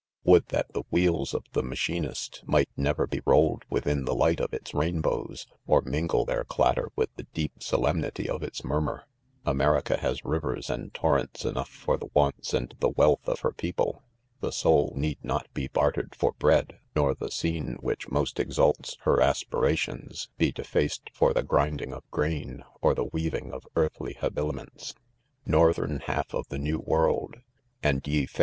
'Would ttiatthe 1 wheels 1 of the 1 machinist, might never be rolled' within the light of its J r'aihb'oWsv ormin^'their clatter with the' deep solemnity of its murmur !.' America , has risers and torrerits ' enough for ; the warife'atid'tiig weiltli of her"|edple. ~ TEe soul need not be bartered for' bread, nor the u'cem which iridst exalts ' her aspirations be defac ed' for thi grinding of grain, or ibk viewing of earthly habiliments. '»"~^~~.& 'M)fi!krM Mfof ilk n&w iSorld^ mi ~yto fair WsSm.